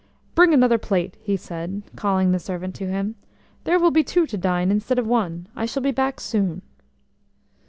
"Bring another plate," he said, calling the servant to him. "There will be two to dine instead of one. I shall be back soon."